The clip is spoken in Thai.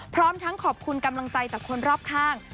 พร้อมทั้งขอบคุณกำลังใจจากคนรอบข้าง